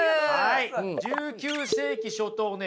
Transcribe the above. １９世紀初頭ね